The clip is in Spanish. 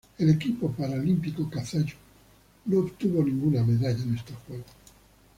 El equipo paralímpico kazajo no obtuvo ninguna medalla en estos Juegos.